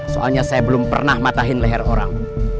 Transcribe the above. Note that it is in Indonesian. soalnya saya belum pernah matahin leher orang